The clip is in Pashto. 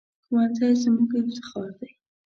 ښوونځی زموږ افتخار دی